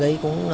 ra ao chuông